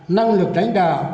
năng lực lãnh đạo